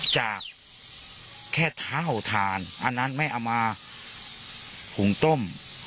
จากแค่เท่าทานอันนั้นไม่เอามาหุงต้ม